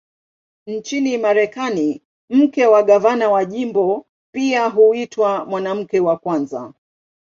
Nchini Marekani, mke wa gavana wa jimbo pia huitwa "Mwanamke wa Kwanza".